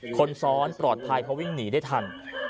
คนซ้อนปลอดภัยเขาวิ่งหนีได้ทัน